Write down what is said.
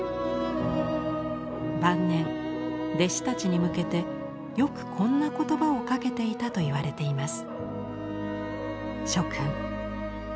晩年弟子たちに向けてよくこんな言葉をかけていたといわれています。